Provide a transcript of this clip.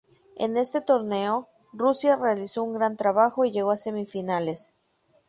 En ese torneo, Rusia realizó un gran trabajo y llegó a semifinales.